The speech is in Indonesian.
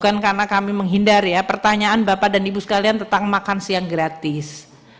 bukan karena kami menghindar ya pertanyaan bapak dan ibu sekalian tentang makan siang gratis